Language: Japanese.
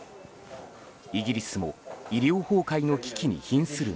イギリスも医療崩壊の危機に瀕する